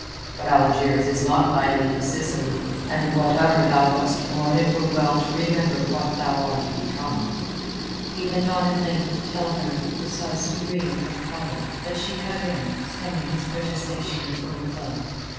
"But Algiers is not thy native Sicily, and whatever thou wast born it were well to remember what thou art become." He went on at length to tell her of the precise degree of her folly, but she cut in, stemming his protestation in full flow.